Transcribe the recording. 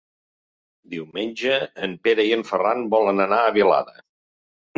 Diumenge en Pere i en Ferran volen anar a Vilada.